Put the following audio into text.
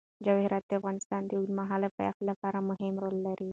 جواهرات د افغانستان د اوږدمهاله پایښت لپاره مهم رول لري.